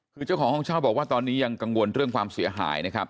คือเจ้าของห้องเช่าบอกว่าตอนนี้ยังกังวลเรื่องความเสียหายนะครับ